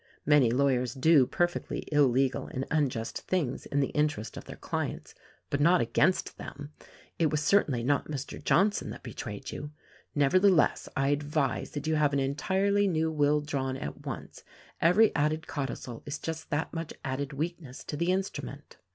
Many lawyers do perfectly illegai and unjust things in the interest of their clients — but not against them. It was certainly not Mr. Johnson that betrayed you. Nevertheless, I advise that you have an entirely new will drawn at once; every added codicil is just that much added weakness to the instrument."